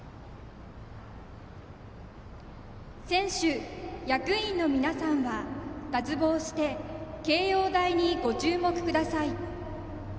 選手・役員の皆さんは脱帽して掲揚台にご注目ください。